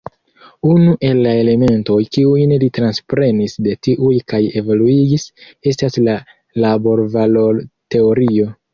Unu el la elementoj, kiujn li transprenis de tiuj kaj evoluigis, estas la laborvalorteorio.